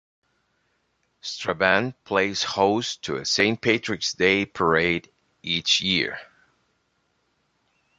Strabane plays host to a Saint Patrick's Day Parade each year.